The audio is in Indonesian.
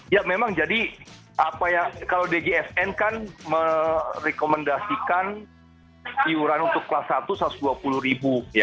ya memang jadi kalau djsn kan merekomendasikan iuran untuk kelas satu rp satu ratus dua puluh